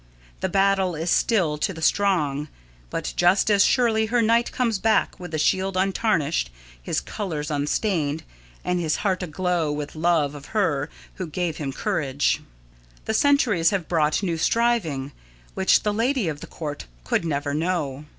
The battle is still to the strong, but just as surely her knight comes back with his shield untarnished, his colours unstained, and his heart aglow with love of her who gave him courage. The centuries have brought new striving, which the Lady of the Court could never know.